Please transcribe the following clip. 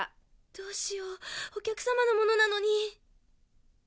どうしようお客様のものなのに。